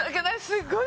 すっごい